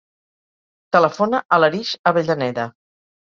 Telefona a l'Arij Avellaneda.